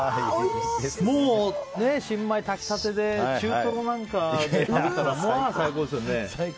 もう新米炊き立てで中トロなんかで食べたらまあ最高ですよね。